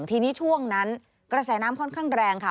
ทีนี้ช่วงนั้นกระแสน้ำค่อนข้างแรงค่ะ